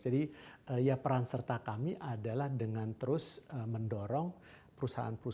jadi ya peran serta kami adalah dengan terus mendorong perusahaan tersebut